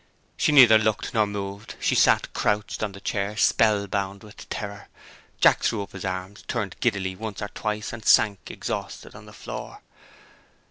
She neither looked nor moved she sat crouched on the chair, spellbound with terror. Jack threw up his arms, turned giddily once or twice, and sank exhausted on the floor.